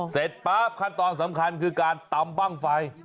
ป๊าบขั้นตอนสำคัญคือการตำบ้างไฟ